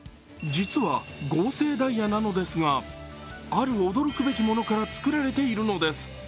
実は合成ダイヤなのですが、ある驚くべきものから作られているんです。